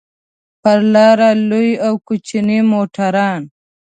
پر لاره لوی او کوچني موټران.